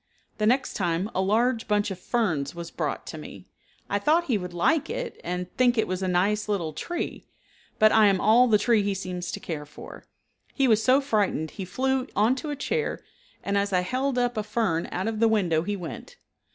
The next time a large bunch of ferns was brought to me. I thought he would like it and think it was a nice little tree, but I am all the tree he seems to care for. He was so frightened he flew onto a chair, and as I held up a fern out of the window he went.